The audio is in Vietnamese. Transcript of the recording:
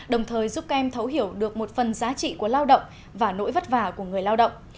đồng thời giúp các em thấu hiểu được một phần giá trị của lao động và nỗi vất vả của người lao động